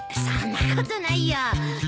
そんなことないよ。